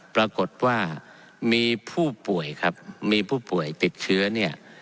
ปรากฏว่ามีผู้ป่วยครับมีผู้ป่วยติดเชื้อเนี่ย